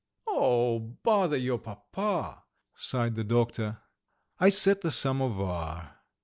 "Oh, bother your papa!" sighed the doctor. I set the samovar.